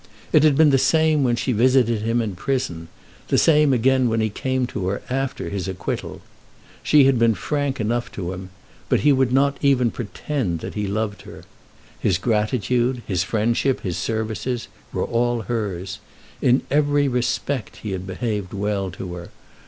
It had been the same when she visited him in the prison; the same again when he came to her after his acquittal. She had been frank enough to him, but he would not even pretend that he loved her. His gratitude, his friendship, his services, were all hers. In every respect he had behaved well to her.